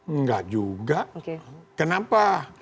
enggak juga kenapa